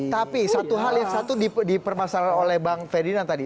tapi satu hal yang satu dipermasalah oleh bang ferdinand tadi